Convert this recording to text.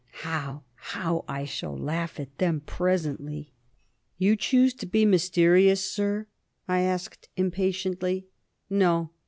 How how I shall laugh at them, presently!" "You choose to be mysterious, sir?" I asked impatiently. "No.